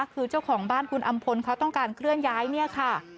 คือเจ้าของบ้านคุณอำพลเขาต้องการเคลื่อนย้ายเนี่ยค่ะ